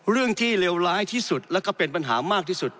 เรื่องที่เลวร้ายที่สุดแล้วก็เป็นปัญหามากที่สุด